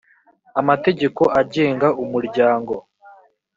amategeko agenga umurya ngo